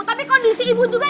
tapi kondisi ibu juga